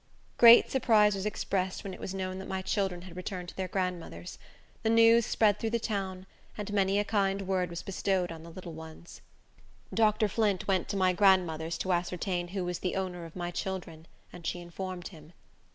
Great surprise was expressed when it was known that my children had returned to their grandmother's. The news spread through the town, and many a kind word was bestowed on the little ones. Dr. Flint went to my grandmother's to ascertain who was the owner of my children, and she informed him.